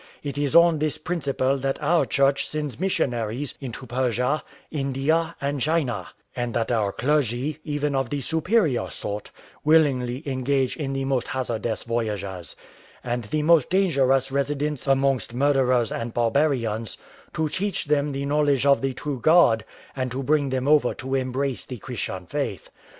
It is on this principle that our Church sends missionaries into Persia, India, and China; and that our clergy, even of the superior sort, willingly engage in the most hazardous voyages, and the most dangerous residence amongst murderers and barbarians, to teach them the knowledge of the true God, and to bring them over to embrace the Christian faith.